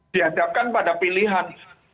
dihadapkan pada pilihan